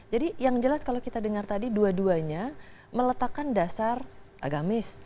jadi yang jelas kalau kita dengar tadi dua duanya meletakkan dasar agamis